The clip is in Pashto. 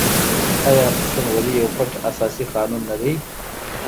آیا پښتونولي یو پټ اساسي قانون نه دی؟